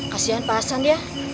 kasian pak hasan ya